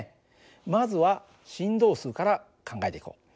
まずは振動数から考えていこう。